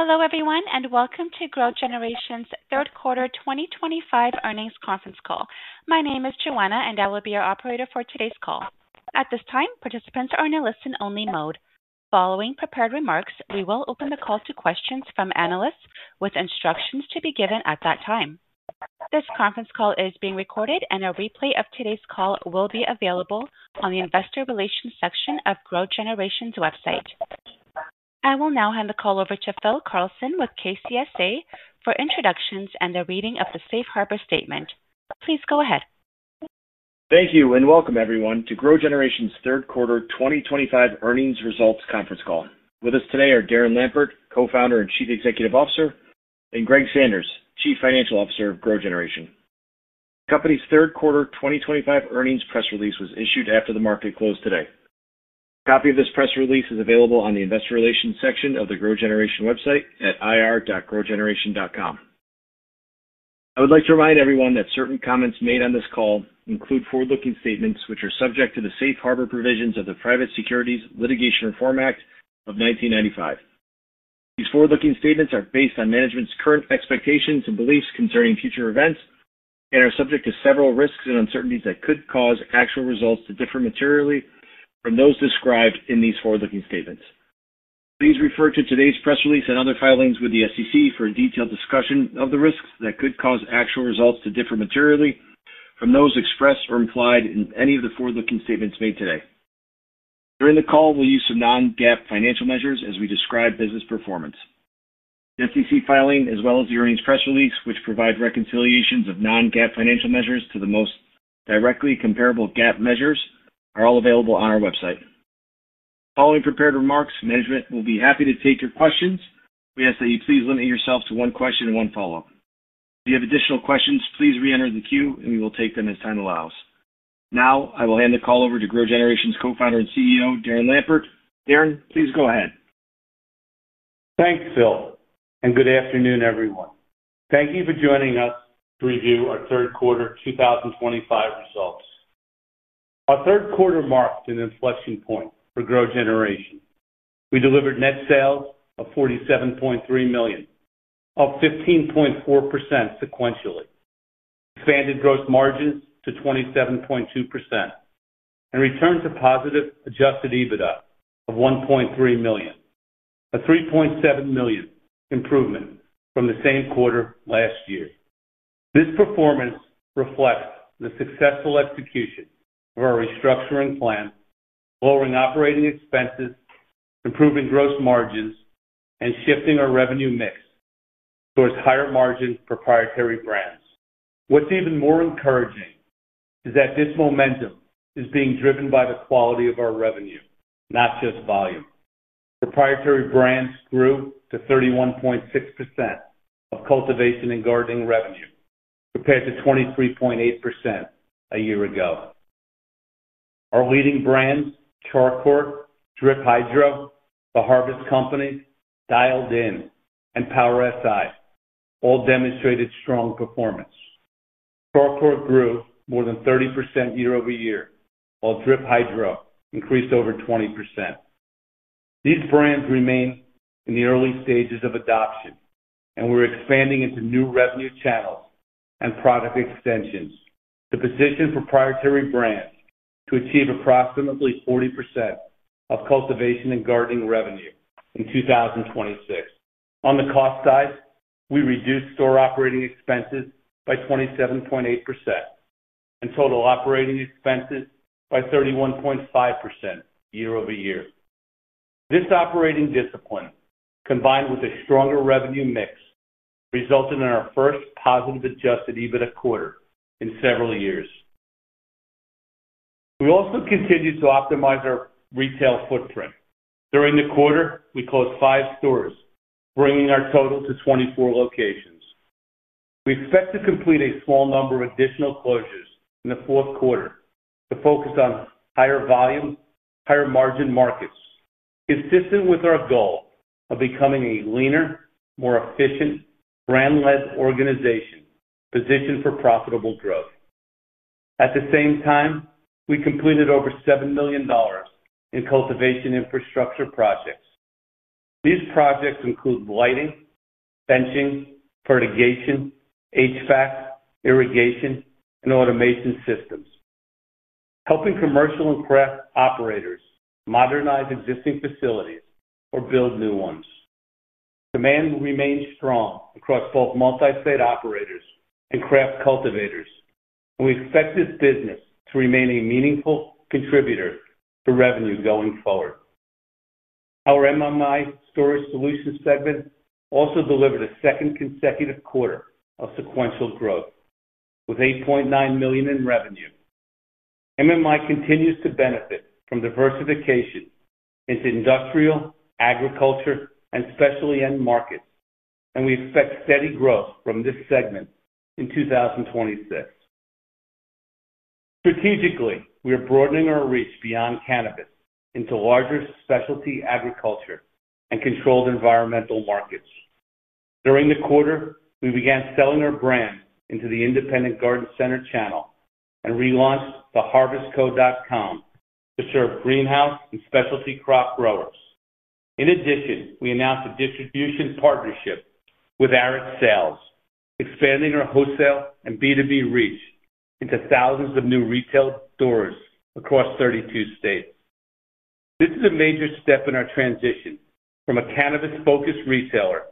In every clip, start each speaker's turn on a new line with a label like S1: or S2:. S1: Hello everyone and welcome to GrowGeneration's third quarter 2025 earnings conference call. My name is Joanna, and I will be your operator for today's call. At this time, participants are in a listen-only mode. Following prepared remarks, we will open the call to questions from analysts with instructions to be given at that time. This conference call is being recorded, and a replay of today's call will be available on the investor relations section of GrowGeneration's website. I will now hand the call over to Phil Carlson with KCSA for introductions and the reading of the safe harbor statement. Please go ahead.
S2: Thank you and welcome everyone to GrowGeneration's third quarter 2025 earnings results conference call. With us today are Darren Lampert, Co-founder and Chief Executive Officer, and Greg Sanders, Chief Financial Officer of GrowGeneration. The company's third quarter 2025 earnings press release was issued after the market closed today. A copy of this press release is available on the investor relations section of the GrowGeneration website at ir.growgeneration.com. I would like to remind everyone that certain comments made on this call include forward-looking statements which are subject to the safe harbor provisions of the Private Securities Litigation Reform Act of 1995. These forward-looking statements are based on management's current expectations and beliefs concerning future events and are subject to several risks and uncertainties that could cause actual results to differ materially from those described in these forward-looking statements. Please refer to today's press release and other filings with the SEC for a detailed discussion of the risks that could cause actual results to differ materially from those expressed or implied in any of the forward-looking statements made today. During the call, we'll use some non-GAAP financial measures as we describe business performance. The SEC filing, as well as the earnings press release which provide reconciliations of non-GAAP financial measures to the most directly comparable GAAP measures, are all available on our website. Following prepared remarks, management will be happy to take your questions. We ask that you please limit yourself to one question and one follow-up. If you have additional questions, please re-enter the queue and we will take them as time allows. Now, I will hand the call over to GrowGeneration's Co-founder and CEO, Darren Lampert. Darren, please go ahead.
S3: Thanks, Phil. Good afternoon, everyone. Thank you for joining us to review our third quarter 2025 results. Our third quarter marked an inflection point for GrowGeneration. We delivered net sales of $47.3 million, up 15.4% sequentially, expanded gross margins to 27.2%, and returned to positive adjusted EBITDA of $1.3 million, a $3.7 million improvement from the same quarter last year. This performance reflects the successful execution of our restructuring plan, lowering operating expenses, improving gross margins, and shifting our revenue mix towards higher margin proprietary brands. What's even more encouraging is that this momentum is being driven by the quality of our revenue, not just volume. Proprietary brands grew to 31.6% of cultivation and gardening revenue, compared to 23.8% a year ago. Our leading brands, CharCoir, Drip Hydro, The Harvest Company, Dialed In, and PowerSI, all demonstrated strong performance. CharCoir grew more than 30% year over year, while Drip Hydro increased over 20%. These brands remain in the early stages of adoption and we're expanding into new revenue channels and product extensions to position proprietary brands to achieve approximately 40% of cultivation and gardening revenue in 2026. On the cost side, we reduced store operating expenses by 27.8% and total operating expenses by 31.5% year over year. This operating discipline, combined with a stronger revenue mix, resulted in our first positive Adjusted EBITDA quarter in several years. We also continue to optimize our retail footprint. During the quarter, we closed five stores, bringing our total to 24 locations. We expect to complete a small number of additional closures in the fourth quarter to focus on higher volume, higher margin markets, consistent with our goal of becoming a leaner, more efficient, brand-led organization positioned for profitable growth. At the same time, we completed over $7 million in cultivation infrastructure projects. These projects include lighting, benching, fertigation, HVAC, irrigation, and automation systems, helping commercial and craft operators modernize existing facilities or build new ones. Demand remains strong across both multi-state operators and craft cultivators, and we expect this business to remain a meaningful contributor to revenue going forward. Our MMI storage solution segment also delivered a second consecutive quarter of sequential growth with $8.9 million in revenue. MMI continues to benefit from diversification into industrial, agriculture, and specialty end markets, and we expect steady growth from this segment in 2026. Strategically, we are broadening our reach beyond cannabis into larger specialty agriculture and controlled environmental markets. During the quarter, we began selling our brand into the independent garden center channel and relaunched theharvestco.com to serve greenhouse and specialty crop growers. In addition, we announced a distribution partnership with Arett Sales, expanding our wholesale and B2B reach into thousands of new retail stores across 32 states. This is a major step in our transition from a cannabis-focused retailer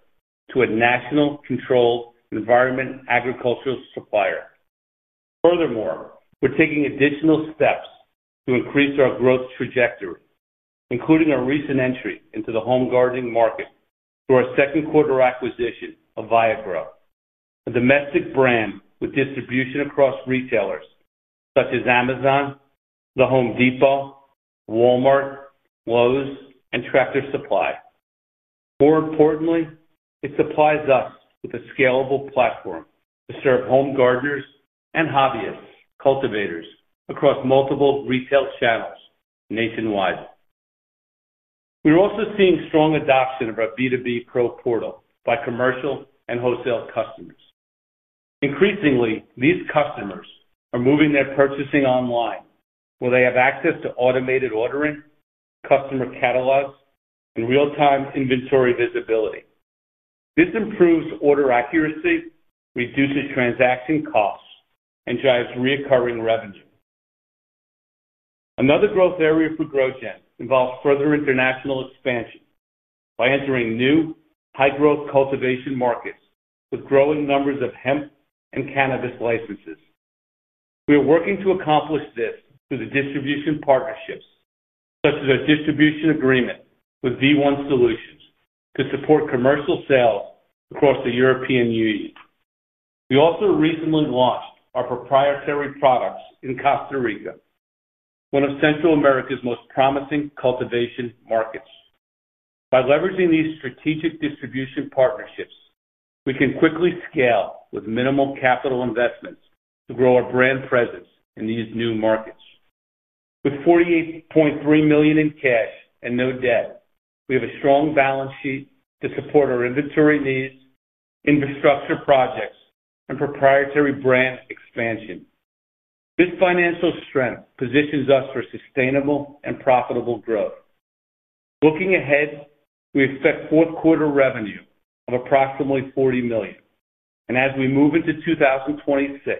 S3: to a national controlled environment agricultural supplier. Furthermore, we're taking additional steps to increase our growth trajectory, including our recent entry into the home gardening market through our second quarter acquisition of ViaGrow, a domestic brand with distribution across retailers such as Amazon, The Home Depot, Walmart, Lowe's, and Tractor Supply. More importantly, it supplies us with a scalable platform to serve home gardeners and hobbyist cultivators across multiple retail channels nationwide. We're also seeing strong adoption of our B2B Pro portal by commercial and wholesale customers. Increasingly, these customers are moving their purchasing online, where they have access to automated ordering, customer catalogs, and real-time inventory visibility. This improves order accuracy, reduces transaction costs, and drives reoccurring revenue. Another growth area for GrowGeneration involves further international expansion by entering new high-growth cultivation markets with growing numbers of hemp and cannabis licenses. We are working to accomplish this through the distribution partnerships such as our distribution agreement with V1 Solutions to support commercial sales across the European Union. We also recently launched our proprietary products in Costa Rica, one of Central America's most promising cultivation markets. By leveraging these strategic distribution partnerships, we can quickly scale with minimal capital investments to grow our brand presence in these new markets. With $48.3 million in cash and no debt, we have a strong balance sheet to support our inventory needs, infrastructure projects, and proprietary brand expansion. This financial strength positions us for sustainable and profitable growth. Looking ahead, we expect fourth quarter revenue of approximately $40 million, and as we move into 2026,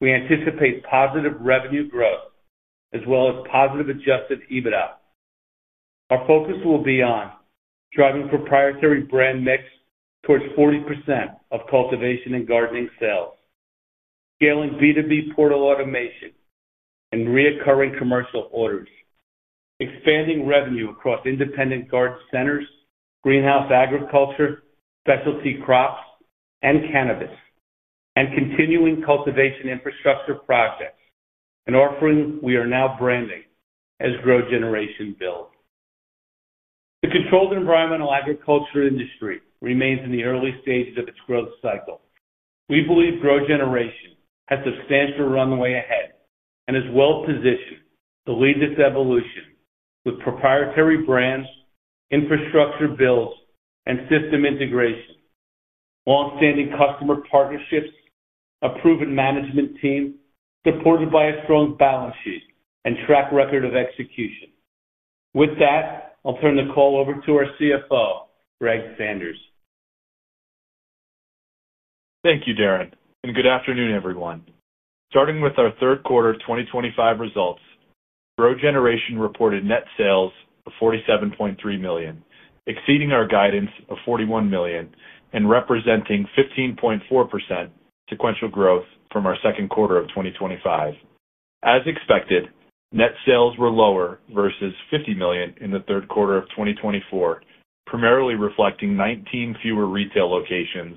S3: we anticipate positive revenue growth as well as positive Adjusted EBITDA. Our focus will be on driving proprietary brand mix towards 40% of cultivation and gardening sales, scaling B2B portal automation and reoccurring commercial orders, expanding revenue across independent garden centers, greenhouse agriculture, specialty crops, and cannabis, and continuing cultivation infrastructure projects and offering we are now branding as GrowGeneration builds. The controlled environmental agriculture industry remains in the early stages of its growth cycle. We believe GrowGeneration has substantial runway ahead and is well positioned to lead this evolution with proprietary brands, infrastructure builds, and system integration, longstanding customer partnerships, a proven management team supported by a strong balance sheet and track record of execution. With that, I'll turn the call over to our CFO, Greg Sanders.
S4: Thank you, Darren, and good afternoon, everyone. Starting with our third quarter 2025 results, GrowGeneration reported net sales of $47.3 million, exceeding our guidance of $41 million and representing 15.4% sequential growth from our second quarter of 2025. As expected, net sales were lower versus $50 million in the third quarter of 2024, primarily reflecting 19 fewer retail locations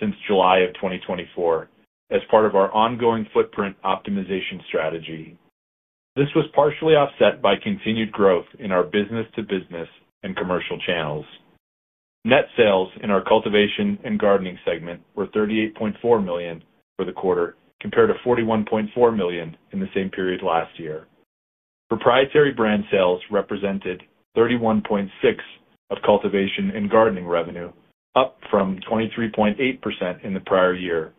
S4: since July of 2024 as part of our ongoing footprint optimization strategy. This was partially offset by continued growth in our business-to-business and commercial channels. Net sales in our cultivation and gardening segment were $38.4 million for the quarter, compared to $41.4 million in the same period last year. Proprietary brand sales represented 31.6% of cultivation and gardening revenue, up from 23.8% in the prior year,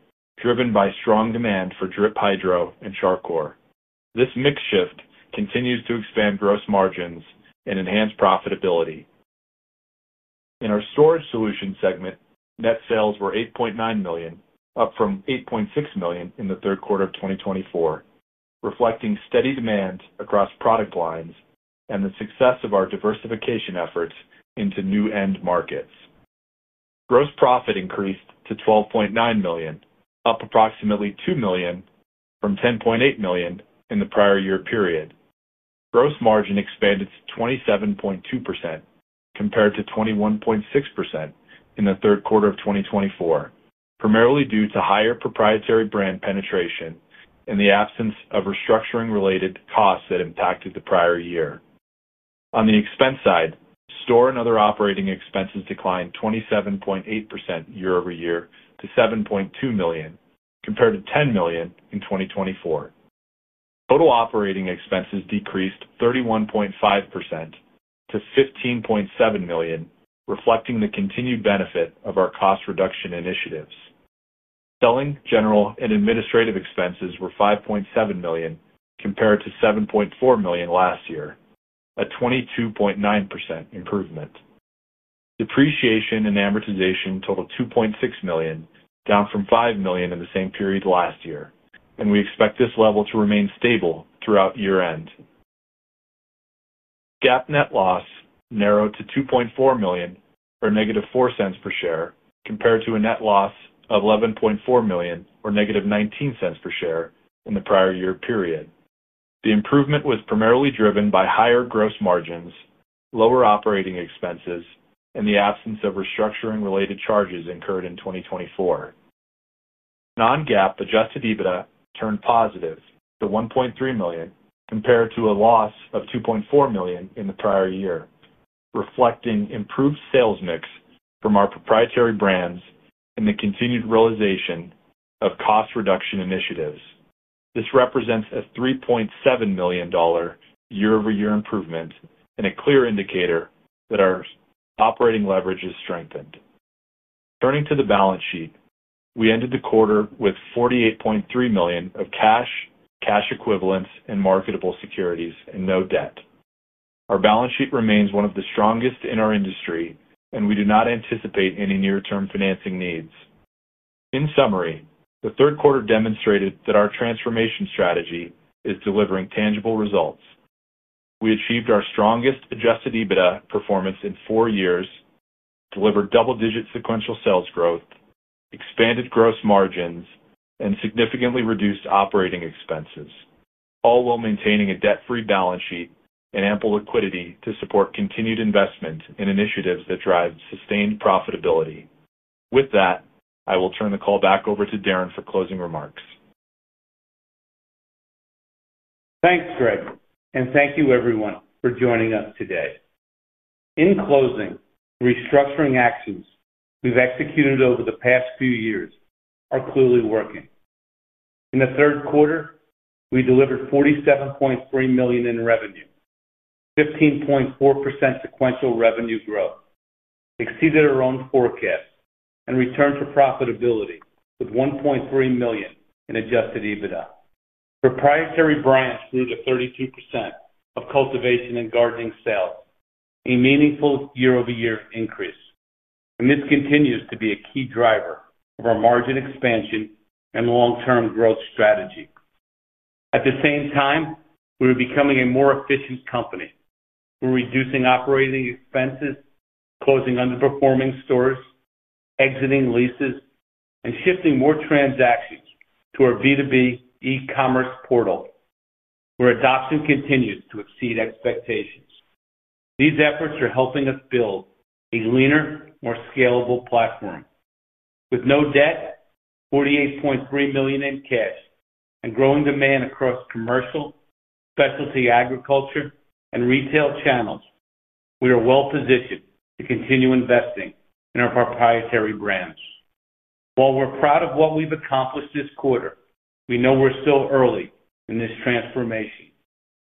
S4: driven by strong demand for Drip Hydro and CharCoir. This mix shift continues to expand gross margins and enhance profitability. In our storage solution segment, net sales were $8.9 million, up from $8.6 million in the third quarter of 2024, reflecting steady demand across product lines and the success of our diversification efforts into new end markets. Gross profit increased to $12.9 million, up approximately $2 million from $10.8 million in the prior year period. Gross margin expanded to 27.2% compared to 21.6% in the third quarter of 2024, primarily due to higher proprietary brand penetration and the absence of restructuring-related costs that impacted the prior year. On the expense side, store and other operating expenses declined 27.8% year over year to $7.2 million, compared to $10 million in 2024. Total operating expenses decreased 31.5% to $15.7 million, reflecting the continued benefit of our cost reduction initiatives. Selling, general, and administrative expenses were $5.7 million compared to $7.4 million last year, a 22.9% improvement. Depreciation and amortization totaled $2.6 million, down from $5 million in the same period last year, and we expect this level to remain stable throughout year-end. GAAP net loss narrowed to $2.4 million or negative $0.04 per share, compared to a net loss of $11.4 million or -$0.19 per share in the prior year period. The improvement was primarily driven by higher gross margins, lower operating expenses, and the absence of restructuring-related charges incurred in 2024. Non-GAAP adjusted EBITDA turned positive to $1.3 million compared to a loss of $2.4 million in the prior year, reflecting improved sales mix from our proprietary brands and the continued realization of cost reduction initiatives. This represents a $3.7 million year-over-year improvement and a clear indicator that our operating leverage is strengthened. Turning to the balance sheet, we ended the quarter with $48.3 million of cash, cash equivalents, and marketable securities and no debt. Our balance sheet remains one of the strongest in our industry, and we do not anticipate any near-term financing needs. In summary, the third quarter demonstrated that our transformation strategy is delivering tangible results. We achieved our strongest adjusted EBITDA performance in four years, delivered double-digit sequential sales growth, expanded gross margins, and significantly reduced operating expenses, all while maintaining a debt-free balance sheet and ample liquidity to support continued investment in initiatives that drive sustained profitability. With that, I will turn the call back over to Darren for closing remarks.
S3: Thanks, Greg, and thank you, everyone, for joining us today. In closing, the restructuring actions we've executed over the past few years are clearly working. In the third quarter, we delivered $47.3 million in revenue, 15.4% sequential revenue growth, exceeded our own forecast, and returned to profitability with $1.3 million in Adjusted EBITDA. Proprietary brands grew to 32% of cultivation and gardening sales, a meaningful year-over-year increase. This continues to be a key driver of our margin expansion and long-term growth strategy. At the same time, we are becoming a more efficient company. We're reducing operating expenses, closing underperforming stores, exiting leases, and shifting more transactions to our B2B e-commerce portal, where adoption continues to exceed expectations. These efforts are helping us build a leaner, more scalable platform. With no debt, $48.3 million in cash, and growing demand across commercial, specialty agriculture, and retail channels, we are well positioned to continue investing in our proprietary brands. While we're proud of what we've accomplished this quarter, we know we're still early in this transformation,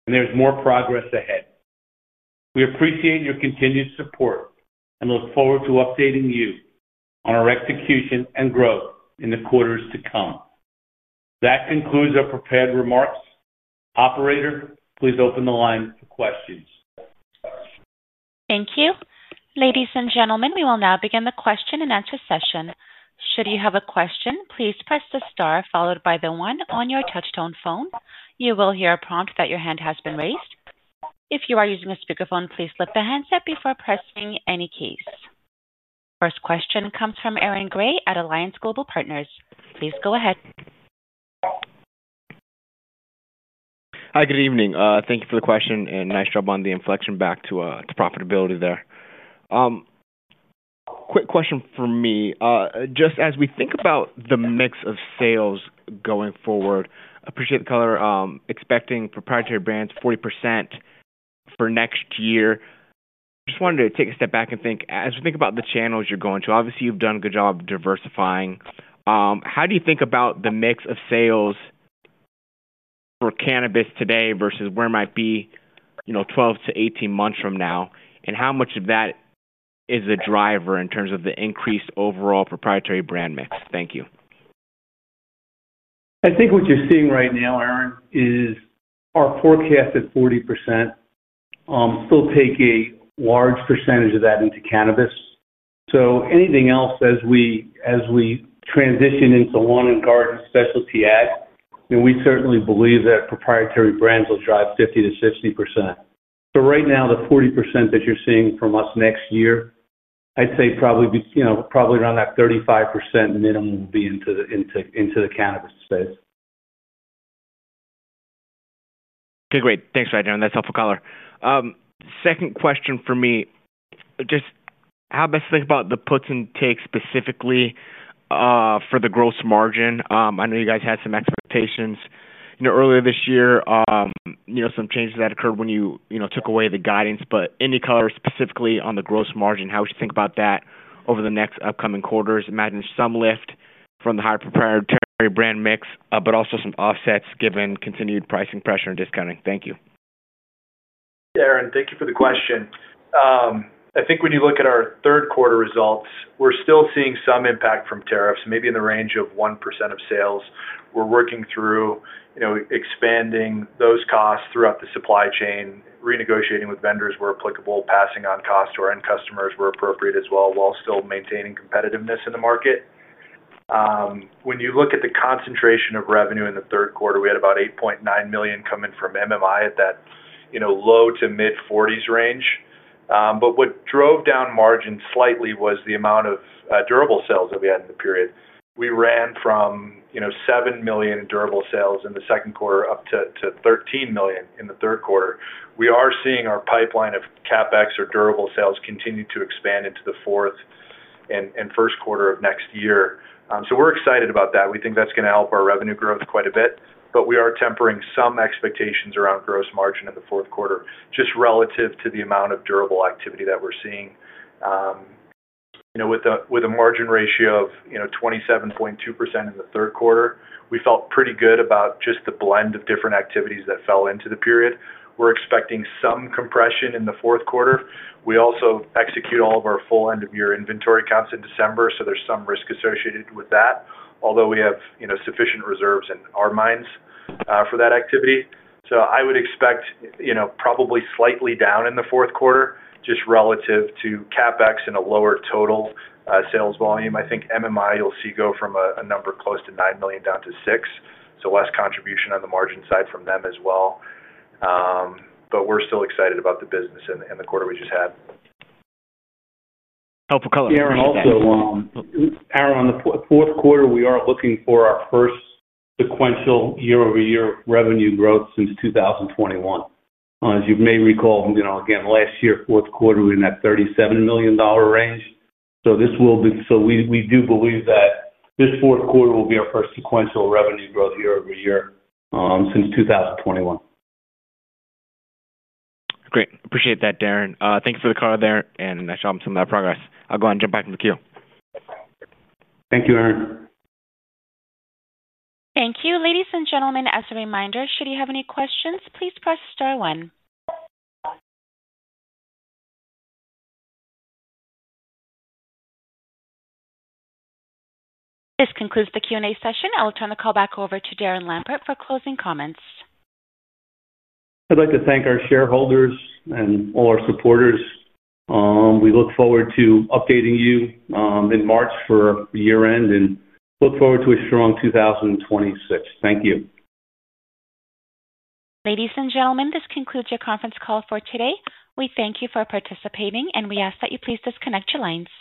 S3: and there's more progress ahead. We appreciate your continued support and look forward to updating you on our execution and growth in the quarters to come. That concludes our prepared remarks. Operator, please open the line for questions.
S1: Thank you. Ladies and gentlemen, we will now begin the question and answer session. Should you have a question, please press the star followed by the one on your touch-tone phone. You will hear a prompt that your hand has been raised. If you are using a speakerphone, please lift the handset before pressing any keys. The first question comes from Aaron Gray at Alliance Global Partners. Please go ahead.
S5: Hi, good evening. Thank you for the question and nice job on the inflection back to profitability there. Quick question for me. Just as we think about the mix of sales going forward, appreciate the color, expecting proprietary brands 40% for next year. Just wanted to take a step back and think, as we think about the channels you're going to, obviously, you've done a good job diversifying. How do you think about the mix of sales for cannabis today versus where it might be 12-18 months from now, and how much of that is a driver in terms of the increased overall proprietary brand mix? Thank you.
S3: I think what you're seeing right now, Aaron, is our forecast at 40%. Still take a large percentage of that into cannabis. Anything else as we transition into lawn and garden specialty ads, we certainly believe that proprietary brands will drive 50%-60%. Right now, the 40% that you're seeing from us next year, I'd say probably around that 35% minimum will be into the cannabis space.
S5: Okay, great. Thanks, right, Darren. That's helpful color. Second question for me. Just how best to think about the puts and takes specifically for the gross margin? I know you guys had some expectations earlier this year, some changes that occurred when you took away the guidance, but any color specifically on the gross margin, how would you think about that over the next upcoming quarters? Imagine some lift from the higher proprietary brand mix, but also some offsets given continued pricing pressure and discounting? Thank you.
S4: Hey, Aaron. Thank you for the question. I think when you look at our third quarter results, we're still seeing some impact from tariffs, maybe in the range of 1% of sales. We're working through expanding those costs throughout the supply chain, renegotiating with vendors where applicable, passing on costs to our end customers where appropriate as well, while still maintaining competitiveness in the market. When you look at the concentration of revenue in the third quarter, we had about $8.9 million coming from MMI at that low to mid-40% range. What drove down margins slightly was the amount of durable sales that we had in the period. We ran from $7 million in durable sales in the second quarter up to $13 million in the third quarter. We are seeing our pipeline of CapEx or durable sales continue to expand into the fourth. First quarter of next year. We are excited about that. We think that is going to help our revenue growth quite a bit, but we are tempering some expectations around gross margin in the fourth quarter, just relative to the amount of durable activity that we are seeing. With a margin ratio of 27.2% in the third quarter, we felt pretty good about just the blend of different activities that fell into the period. We are expecting some compression in the fourth quarter. We also execute all of our full end-of-year inventory counts in December, so there is some risk associated with that, although we have sufficient reserves in our minds for that activity. I would expect probably slightly down in the fourth quarter, just relative to CapEx and a lower total sales volume. I think MMI, you'll see, go from a number close to $9 million down to $6 million, so less contribution on the margin side from them as well. We're still excited about the business in the quarter we just had.
S5: Helpful color
S3: Aaron, the fourth quarter, we are looking for our first sequential year-over-year revenue growth since 2021. As you may recall, again, last year, fourth quarter, we were in that $37 million range. This will be, we do believe that this fourth quarter will be our first sequential revenue growth year-over-year since 2021.
S5: Great. Appreciate that, Darren. Thank you for the color, Darren, and nice job on some of that progress. I'll go ahead and jump back into the queue.
S3: Thank you, Aaron.
S1: Thank you. Ladies and gentlemen, as a reminder, should you have any questions, please press star one. This concludes the Q&A session. I'll turn the call back over to Darren Lampert for closing comments.
S3: I'd like to thank our shareholders and all our supporters. We look forward to updating you in March for year-end and look forward to a strong 2024. Thank you.
S1: Ladies and gentlemen, this concludes your conference call for today. We thank you for participating, and we ask that you please disconnect your lines.